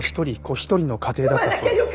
一人の家庭だったそうです。